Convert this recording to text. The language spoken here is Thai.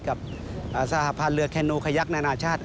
กับสหพาลเรือแคนูไขยักษ์นานาชาติ